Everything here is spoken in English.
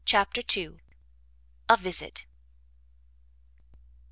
CHAPTER ii. A VISIT.